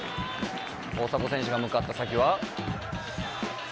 大迫選手が向かった先は。